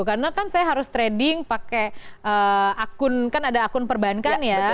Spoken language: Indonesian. karena kan saya harus trading pakai akun kan ada akun perbankan ya